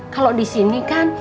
kalo disini kan